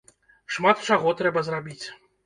Шмат чаго трэба зрабіць.